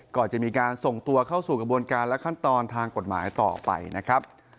ก่อนจะมีการส่งตัวเข้าสู่กระบวนการและขั้นตอนทางกฎหมายต่อไปนะครับ